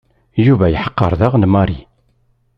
Yuba yeḥqer daɣen Mary.